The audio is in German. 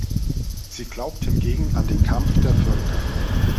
Sie glaubt hingegen an den Kampf der Völker.